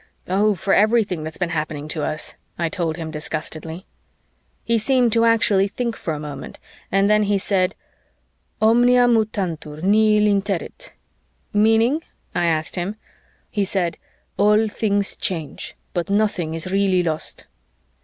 "Oh, for everything that's been happening to us," I told him disgustedly. He seemed to actually think for a moment and then he said, "Omnia mutantur, nihil interit." "Meaning?" I asked him. He said, "All things change, but nothing is really lost."